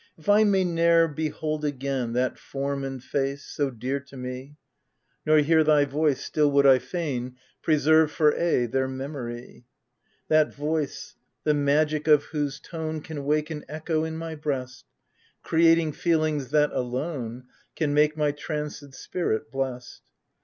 If I may ne'er behold again That form and face, so dear to me, Nor hear thy voice, still would I fain Preserve, foT aye, their memory. That voice, the magic of whose tone Can wake an echo in my breast, Creating feelings that, alone, Can make my tranced spirit blest.